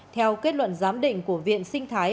theo kết luận giám định của viện sinh thái